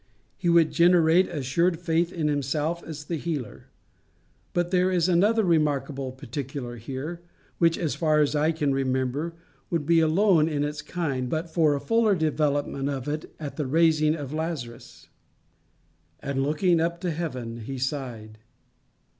He would generate assured faith in himself as the healer. But there is another remarkable particular here, which, as far as I can remember, would be alone in its kind but for a fuller development of it at the raising of Lazarus. "And looking up to heaven, he sighed."